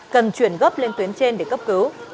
cần chuyển gấp lên tuyến trên để cấp cứu